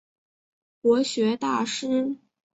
国学大师。